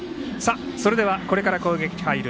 それではこれから攻撃に入る